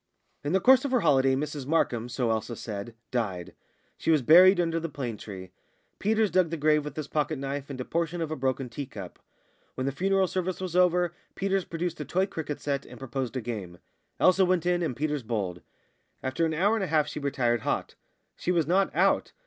In the course of her holiday Mrs Markham, so Elsa said, died; she was buried under the plane tree. Peters dug the grave with his pocket knife and a portion of a broken tea cup. When the funeral service was over Peters produced a toy cricket set, and proposed a game. Elsa went in, and Peters bowled. After an hour and a half she retired hot; she was not out.